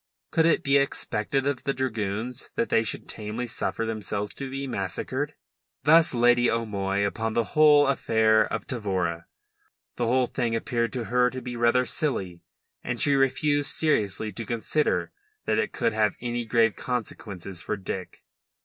Could it be expected of the dragoons that they should tamely suffer themselves to be massacred? Thus Lady O'Moy upon the affair of Tavora. The whole thing appeared to her to be rather silly, and she refused seriously to consider that it could have any grave consequences for Dick.